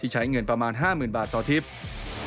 ใช้เงินประมาณ๕๐๐๐บาทต่อทิพย์